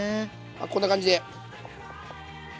こんな感じで。